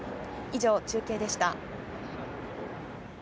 以上、中継でした。